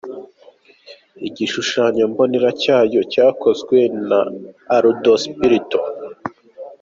Igishushanyo mbonera cyayo cyakozwe na Aldo Spirito.